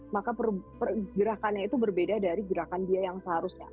maka pergerakannya itu berbeda dari gerakan dia yang seharusnya